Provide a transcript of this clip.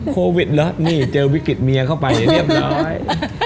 โควิดเหรอนี่เจอวิกฤตเมียเข้าไปเรียบร้อย